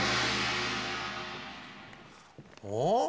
おっ？